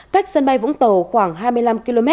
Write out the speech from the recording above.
cách sân bay vũng tàu khoảng hai mươi năm km